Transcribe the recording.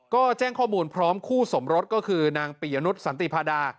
ก็แจ้งข้อมูลพร้อมคู่สมรสก็คือนางปิยนุษยสันติพาดา